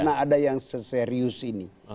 karena ada yang seserius ini